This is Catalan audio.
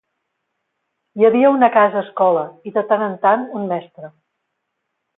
Hi havia una casa-escola i, de tant en tant, un mestre.